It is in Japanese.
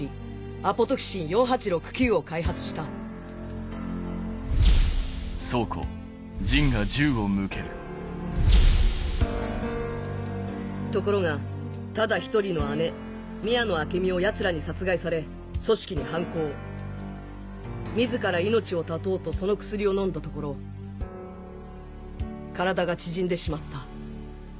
アポトキシン４８６９を開発したところがただ１人の姉宮野明美をヤツらに殺害され組織に反抗自ら命を絶とうとその薬を飲んだところ体が縮んでしまった